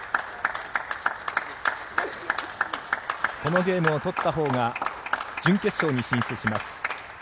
このゲームを取ったほうが準決勝に進出します。